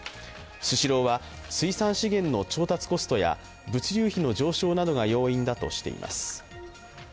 スシローは水産資源の調達コストや物流費の上昇などが要因だとしています。